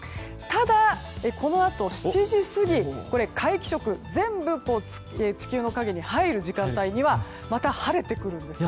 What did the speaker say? ただ、そのあと７時過ぎ皆既食、全部が地球の影に入る時間帯にはまた、晴れてくるんです。